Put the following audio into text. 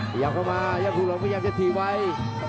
ขยับเข้ามาย่อผิวหลงก็ยังจะถี่ไว้